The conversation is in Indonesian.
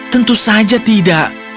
tentu saja tidak